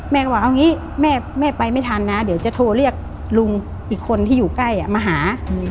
แม่ก็บอกเอางี้แม่ไปไม่ทันนะเดี๋ยวจะโทรเรียกลุงอีกคนที่อยู่ใกล้มาหา